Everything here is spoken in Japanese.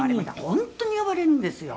「本当に呼ばれるんですよ」